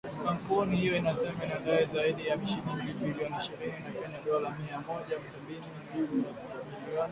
kampuni hiyo inasema inadai zaidi ya shilingi bilioni ishirini za Kenya dollar mia moja sabini na tatu milioni